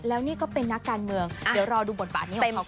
แล้วนี่ก็เป็นนักการเมืองเดี๋ยวรอดูบทบาทนี้ของเขา